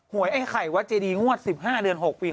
หวยไอไข่วัตท์เจดีแหงวรรดิ๑๕เดือน๖ฯปี